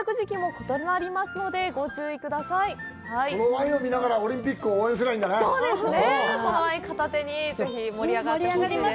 このワインを見ながらオリンピックを応援したらいいんだね。